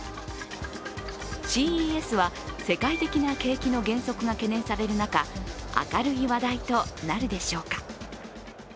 ＣＥＳは、世界的な景気の減速が懸念される中、明るい話題となるでしょうか。